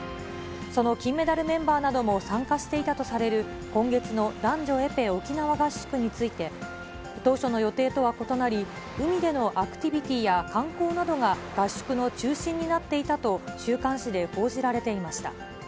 その金メダルメンバーなども参加していたとされる今月の男女エペ沖縄合宿について、当初の予定とは異なり、海でのアクティビティーや観光などが、合宿の中心になっていたと週刊誌で報じられていました。